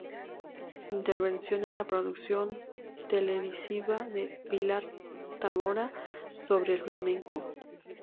Intervención en la producción televisiva de "Pilar Távora" sobre el flamenco.